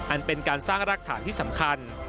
อันเป็นการสร้างรากฐานที่สำคัญ